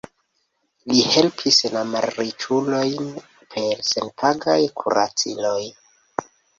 Li helpis la malriĉulojn per senpagaj kuraciloj.